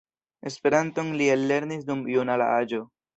Esperanton li ellernis dum junula aĝo.